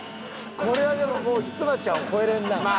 これはでももうひつまちゃんを超えれんな。